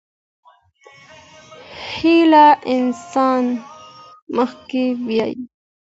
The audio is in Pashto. هيله انسان مخکې بيايي.